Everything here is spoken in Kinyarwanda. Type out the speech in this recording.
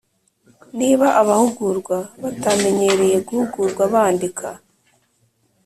Niba abahugurwa batamenyereye guhugurwa bandika